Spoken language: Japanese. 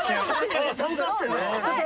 ああ参加してね。